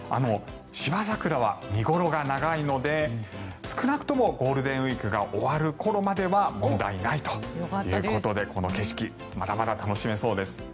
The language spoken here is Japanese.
シバザクラは見頃が長いので少なくともゴールデンウィークが終わる頃までは問題ないということでこの景色まだまだ楽しめそうです。